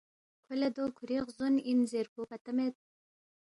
کھو لہ دو کُھوری غزونگ پو اِن زیربو پتہ مید